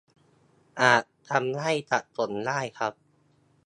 อาจทำให้สับสนได้ครับ